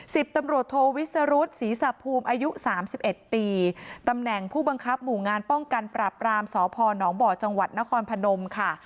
สิบตำรวจโทวิสรุธศรีสะภูมิอายุสามสิบเอ็ดปีตำแหน่งผู้บังคับหมู่งานป้องกันปรับรามสพนบ่อจังหวัดนครพนมค่ะ